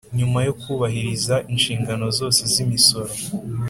Nyuma yo kubahiriza inshingano zose z’imisoro